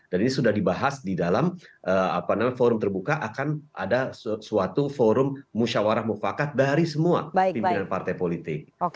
dan ini sudah dibahas di dalam forum terbuka akan ada suatu forum musyawarah mufakat dari semua pimpinan partai politik